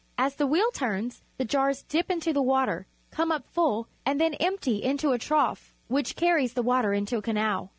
As the wheel turns, the jars dip into the water, come up full, and then empty into a trough which carries the water into a canal.